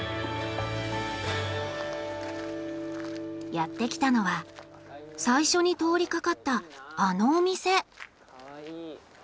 やって来たのは最初に通りかかったあのお店。